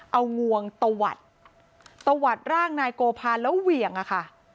เอางวงตะวัดตะวัดร่างนายโกภาแล้วเหวี่ยงอะค่ะ